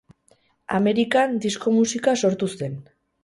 Amerikan disko musika sortu zen.